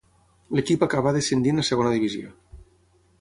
L'equip acabà descendint a Segona divisió.